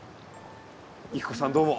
郁子さんどうも。